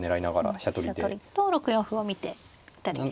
飛車取りと６四歩を見てぴったりですね。